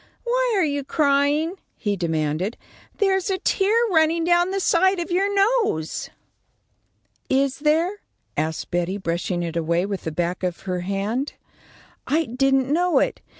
"Why are you crying?" he demanded. "There's a tear running down the side of your nose." "Is there?" asked Betty, brushing it away with the back of her hand. "I didn't know it.